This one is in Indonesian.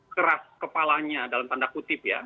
keras kepalanya dalam tanda kutip ya